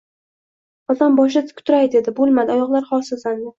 Qozon boshida tik turay dedi. Bo‘lmadi — oyoqlari holsizlandi.